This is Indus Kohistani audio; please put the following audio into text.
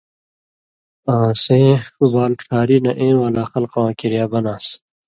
آں سېں ݜُو بال ڇھاری نہ اېں والا خلقہ واں کریا بَنان٘س۔